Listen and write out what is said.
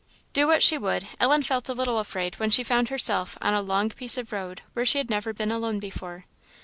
Do what she would, Ellen felt a little afraid when she found herself on a long piece of road where she had never been alone before.